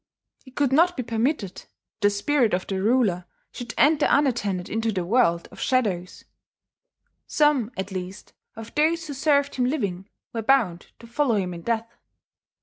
It could not be permitted that the spirit of the ruler should enter unattended into the world of shadows: some, at least, of those who served him living were bound to follow him in death.